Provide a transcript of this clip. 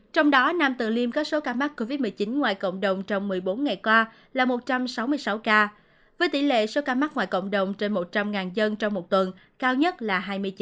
trong đó nam từ liêm có số ca mắc covid một mươi chín ngoài cộng đồng trong một mươi bốn ngày qua là một trăm sáu mươi sáu ca với tỷ lệ số ca mắc ngoài cộng đồng trên một trăm linh dân trong một tuần cao nhất là hai mươi chín